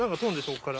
こっから。